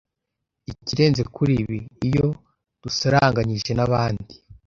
Ikirenze kuri ibi, iyo dusaranganyije n’abandi